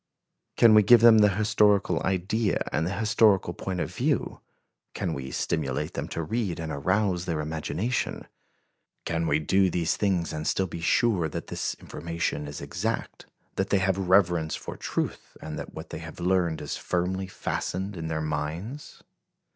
Can we give them the historical idea and the historical point of view? Can we stimulate them to read and arouse their imagination? Can we do these things, and still be sure that this information is exact, that they have reverence for truth, and that what they have learned is firmly fastened in their minds?